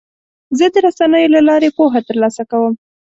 زه د رسنیو له لارې پوهه ترلاسه کوم.